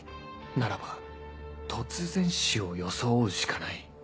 ならば突然死を装うしかない